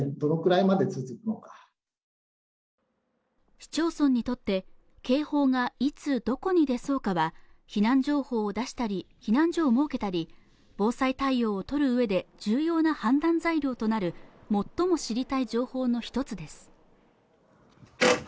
市町村にとって警報がいつどこに出そうかは避難情報を出したり避難所を設けたり防災対応を取る上で重要な判断材料となる最も知りたい情報の一つです